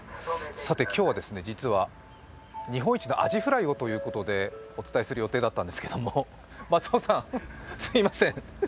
今日は実は日本一のアジフライをということでお伝えする予定だったんですけれども松尾さん、すみません。